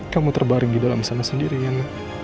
kamu terbaring di dalam sana sendirian